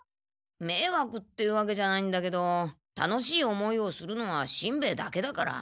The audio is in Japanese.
めいわくっていうわけじゃないんだけど楽しい思いをするのはしんべヱだけだから。